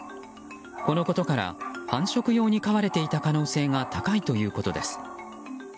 このことから繁殖用に飼われていた可能性が高いということです。